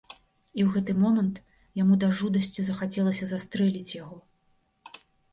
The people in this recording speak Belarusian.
І ў гэты момант яму да жудасці захацелася застрэліць яго.